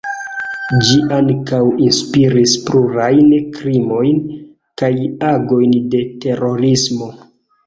Ĝi ankaŭ inspiris plurajn krimojn kaj agojn de terorismo.